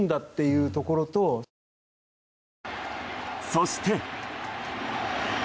そして。